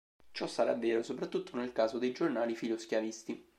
Ciò sarà vero soprattutto nel caso dei giornali filo-schiavisti.